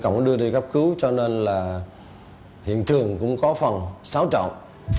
cộng đưa đi cấp cứu cho nên là hiện trường cũng có phần xáo trọng